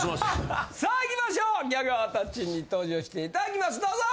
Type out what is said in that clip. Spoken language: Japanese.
さあいきましょうギャガー達に登場していただきますどうぞ！